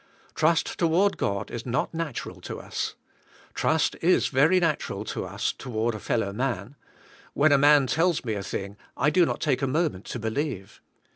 Trust toward God is not natural to us. Trust is very natural to us to ward a fellow man. When a man tells me a thing I do not take a moment to believe.